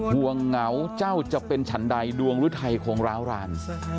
ห่วงเหงาเจ้าจะเป็นฉันใดดวงหรือไทยคงร้าวราน